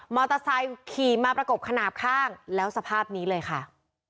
ไซค์ขี่มาประกบขนาดข้างแล้วสภาพนี้เลยค่ะ